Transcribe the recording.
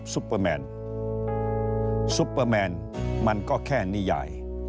ซุปเปอร์แมนมันก็แค่นิยาย